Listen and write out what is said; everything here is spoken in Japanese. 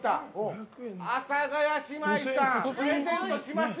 阿佐ヶ谷姉妹さんプレゼントしますよ。